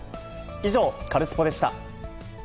以上、カルスポっ！でした。